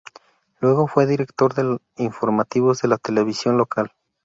Luego fue director de Informativos de la televisión local.